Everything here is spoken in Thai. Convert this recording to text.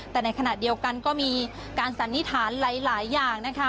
แต่ในขณะเดียวกันก็มีการสันนิษฐานหลายอย่างนะคะ